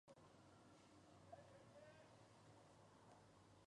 En la clasificación general, estos tres pilotos copan las primeras posiciones.